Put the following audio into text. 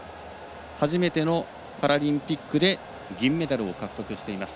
初めてのパラリンピックで銀メダルを獲得しています。